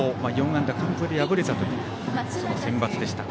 ４安打完封で敗れたというセンバツでした。